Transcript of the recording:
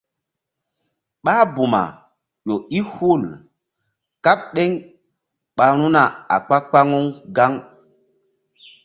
Ɓáh buma ƴo i hul kaɓ ɗeŋ ɓa ru̧na a kpa-kpaŋu gaŋ.